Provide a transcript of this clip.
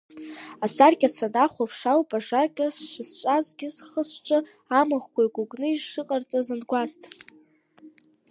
Асаркьа санахәаԥш ауп ажакьа шысҿазгьы схы-сҿы амыӷқәа икәыкәны ишыҟарҵаз ангәасҭа.